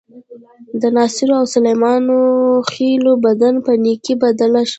د ناصرو او سلیمان خېلو بدۍ په نیکۍ بدله شوه.